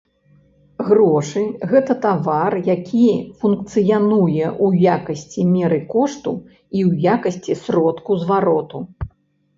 Грошы гэта тавар, які функцыянуе ў якасці меры кошту і ў якасці сродку звароту.